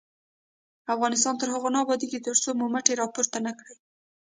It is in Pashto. افغانستان تر هغو نه ابادیږي، ترڅو مو مټې راپورته نه کړي.